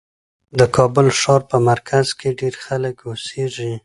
د کابل ښار په مرکز کې ډېر خلک اوسېږي.